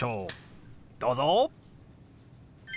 どうぞ！